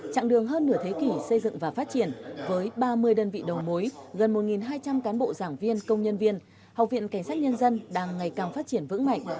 trạng đường hơn nửa thế kỷ xây dựng và phát triển với ba mươi đơn vị đầu mối gần một hai trăm linh cán bộ giảng viên công nhân viên học viện cảnh sát nhân dân đang ngày càng phát triển vững mạnh